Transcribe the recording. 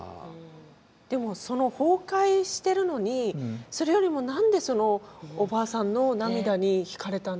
でもその崩壊してるのにそれよりも何でおばあさんの涙にひかれたんですか？